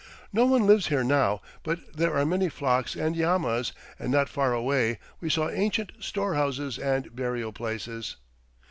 No one lives here now, but there are many flocks and llamas, and not far away we saw ancient storehouses and burial places.